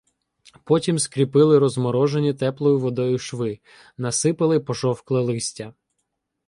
Потім скріпили розморожені теплою водою шви, насипали пожовкле листя.